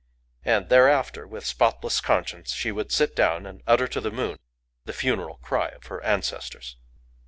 And thereafter, with spotless conscience, she would sit down and utter to the moon the funeral cry of her ancestors.